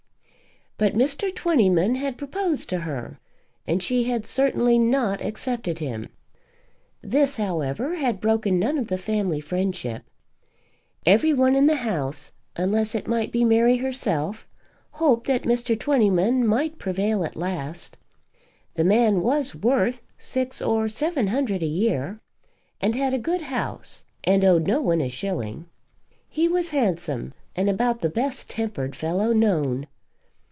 But Mr. Twentyman had proposed to her, and she had certainly not accepted him. This, however, had broken none of the family friendship. Every one in the house, unless it might be Mary herself, hoped that Mr. Twentyman might prevail at last. The man was worth six or seven hundred a year, and had a good house, and owed no one a shilling. He was handsome, and about the best tempered fellow known.